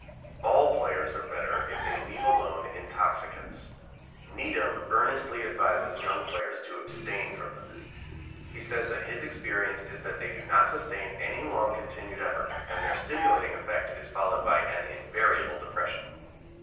All players are better if they leave alone intoxicants. Needham earnestly advises young players to abstain from them. He says that his experience is that they do not sustain any long continued effort, and their stimulating effect is followed by an invariable depression.